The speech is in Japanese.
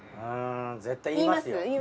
うん絶対言いますよ。